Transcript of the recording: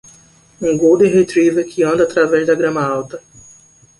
Um golden retriever que anda através da grama alta.